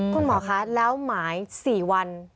คุณหมอคะแล้วหมาย๔วัน